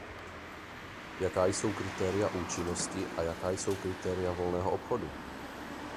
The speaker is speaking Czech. Jaká jsou kritéria účinnosti a jaká jsou kritéria volného obchodu?